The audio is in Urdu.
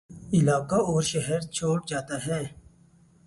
علاقہ اور شہرچھوڑ جاتا ہے